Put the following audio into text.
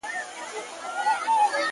o ښه انگور چغال خوري.